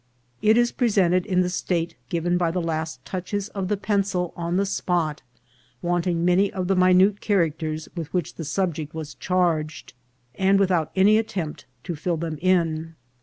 It is presented in the state given by the last touches of the pencil on the spot, wanting many of the minute characters with which the subject was charged, and without any attempt to fill them in.